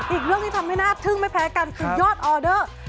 อีกเรื่องที่ทำให้น่าทึ่งไม่แพ้กันคือยอดออเดอร์